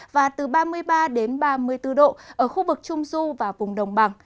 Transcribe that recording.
và từ ba mươi ba đến ba mươi bốn độ ở khu vực trung du và vùng đồng bằng